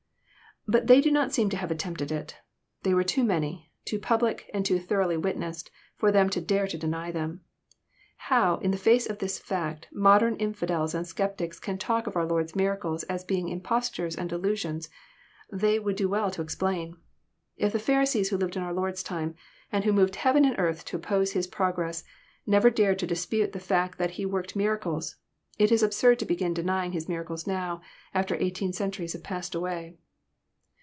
But they do not seem to have attempted it. They were too many, too public, and too thoroughly witnessed, for them to dare to deny them. How. in the face of this fact, modern infi dels and sceptics can talk of our Lord's miracles as being im postures and delusions, they would do well to explain I If the Pharisees who lived in our Lord's time, and who moved heaven and earth to oppose His progress, never dared to dispute the Ikct that He worked miracles, it is absurd to begin denying His miracles now, after eighteen centuries have passed away.